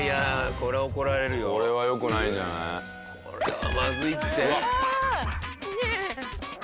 これはまずいって。